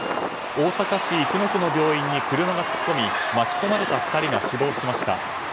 大阪市生野区の病院に車が突っ込み巻き込まれた２人が死亡しました。